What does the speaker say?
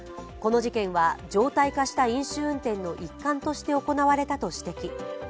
この事件は常態化した飲酒運転の一環として行われたと指摘。